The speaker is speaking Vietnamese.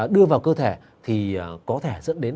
đưa vào cơ thể thì có thể dẫn đến